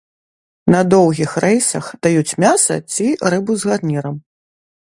На доўгіх рэйсах даюць мяса ці рыбу з гарнірам.